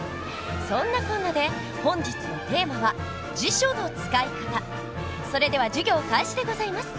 そんなこんなで本日のテーマはそれでは授業開始でございます。